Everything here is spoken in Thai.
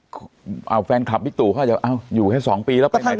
ก็แฟนคลับพิตุเขาอยู่แค่๒ปีแล้วไปไหนก่อน